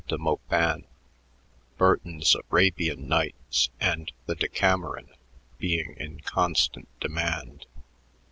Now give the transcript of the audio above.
de Maupin," Burton's "Arabian Nights," and the "Decameron" being in constant demand.